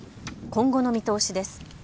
今後の見通しです。